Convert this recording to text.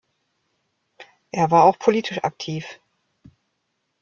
Er war auch politisch aktiv.